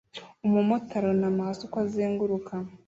Umumotari arunama hasi uko azenguruka